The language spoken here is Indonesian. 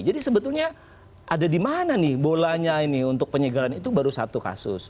jadi sebetulnya ada dimana nih bolanya ini untuk penyegelan itu baru satu kasus